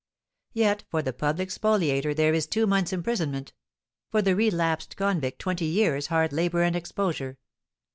Yet for the public spoliator there is two months' imprisonment; for the relapsed convict twenty years' hard labour and exposure.